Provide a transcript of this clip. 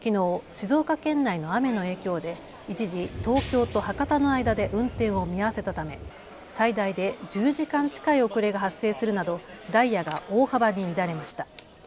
静岡県内の雨の影響で一時東京と博多の間で運転を見合わせたため最大で１０時間近い遅れが発生するなどダイヤが大幅に乱れました。